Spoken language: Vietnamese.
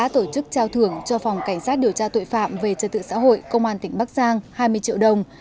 tổ chức trao thưởng cho phòng cảnh sát điều tra tội phạm về trật tự xã hội công an tỉnh bắc giang hai mươi triệu đồng